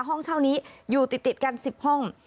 ห้องเช่านี้อยู่ติดกัน๑๐ห้อง